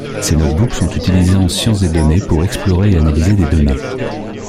Ces notebooks sont utilisés en science des données pour explorer et analyser des données.